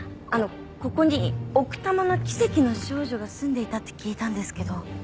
あのここに奥多摩の奇跡の少女が住んでいたと聞いたんですけど。